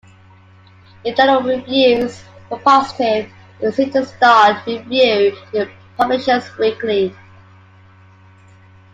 In general, reviews were positive; it received a "starred" review in "Publishers Weekly".